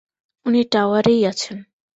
উনি টাওয়ারেই আছেন।